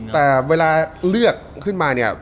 แต่เวลาเลือกขึ้นมาเนี่ย